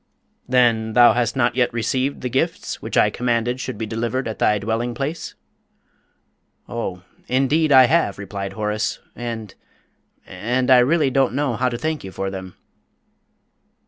"Then thou hast not yet received the gifts which I commanded should be delivered at thy dwelling place?" "Oh, indeed I have!" replied Horace; "and and I really don't know how to thank you for them."